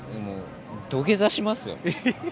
土下座しますよ。